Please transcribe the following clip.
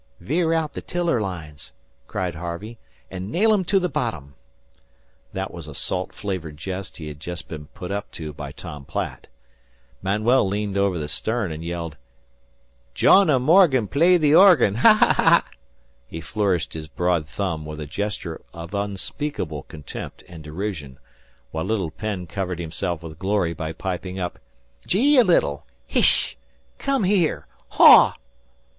"Veer out the tiller lines," cried Harvey, "and nail 'em to the bottom!" That was a salt flavoured jest he had been put up to by Tom Platt. Manuel leaned over the stern and yelled: "Johanna Morgan play the organ! Ahaaaa!" He flourished his broad thumb with a gesture of unspeakable contempt and derision, while little Penn covered himself with glory by piping up: "Gee a little! Hssh! Come here. Haw!"